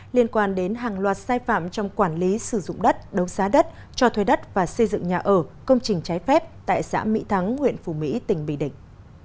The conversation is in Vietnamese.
liên quan đến hàng loạt sai phạm trong quản lý sử dụng đất đấu giá đất cho thuê đất và xây dựng nhà ở công trình trái phép tại xã mỹ thắng huyện phủ mỹ tỉnh bình định